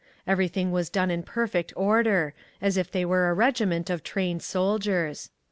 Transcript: Everything was done in perfect order, as if they were a regiment of trained soldiers.